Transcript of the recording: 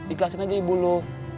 ikhlasin aja ibu lu